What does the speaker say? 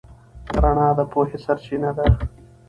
رڼا د پوهې سرچینه ده.